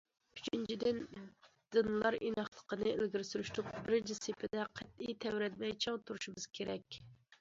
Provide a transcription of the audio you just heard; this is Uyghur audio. ئۈچىنچىدىن، دىنلار ئىناقلىقىنى ئىلگىرى سۈرۈشنىڭ بىرىنچى سېپىدە قەتئىي تەۋرەنمەي چىڭ تۇرۇشىمىز كېرەك.